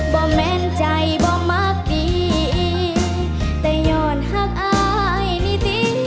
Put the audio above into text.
แม่นใจบ่มักดีแต่หย่อนหักอายนิติ